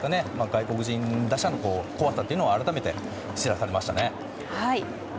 外国人打者の怖さを改めて知らされましたね。